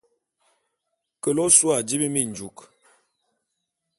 Kele ôsu a dibi minjuk.